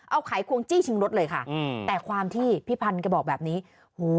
เอาไขควงจี้ชิงรถเลยค่ะอืมแต่ความที่พี่พันธ์แกบอกแบบนี้โห